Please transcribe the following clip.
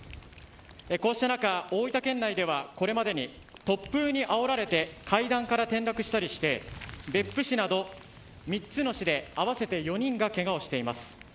こうした中、大分県内ではこれまでに、突風にあおられて階段から転落したりして別府市など３つの市で合わせて４人がけがをしています。